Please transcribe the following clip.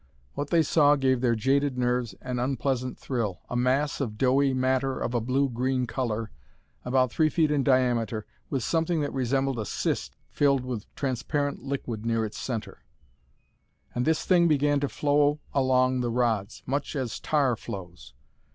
What they saw gave their jaded nerves an unpleasant thrill a mass of doughy matter of a blue green color about three feet in diameter, with something that resembled a cyst filled with transparent liquid near its center. And this thing began to flow along the rods, much as tar flows.